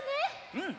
うん！